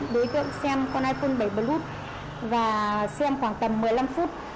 đối tượng xem con iphone bảy plus và xem khoảng tầm một mươi năm phút